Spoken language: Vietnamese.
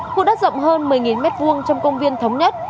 khu đất rộng hơn một mươi m hai trong công viên thống nhất